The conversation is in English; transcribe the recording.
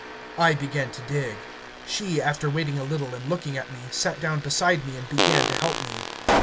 I began to dig. She, after waiting a little and looking at me, sat down beside me and began to help me.